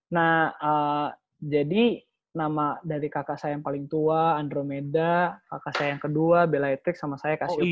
nah jadi nama dari kakak saya yang paling tua andromeda kakak saya yang kedua bela etric sama saya kasih